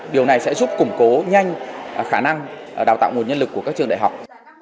điều này sẽ giúp củng cố nhanh khả năng đào tạo nguồn nhân lực của các trường đại học